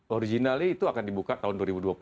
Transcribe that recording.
originalnya itu akan dibuka tahun dua ribu dua puluh